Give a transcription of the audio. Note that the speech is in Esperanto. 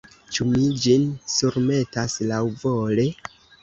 Ĉu mi ĝin surmetas laŭvole?